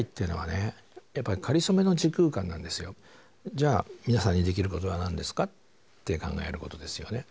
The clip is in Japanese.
じゃあ皆さんにできることは何ですか？って考えることですよね。